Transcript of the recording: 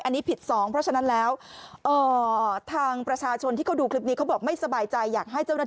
อันนี้ผิดสองเพราะฉะนั้นแล้วเอ่อทางประชาชนที่เขาดูคลิปนี้เขาบอกไม่สบายใจ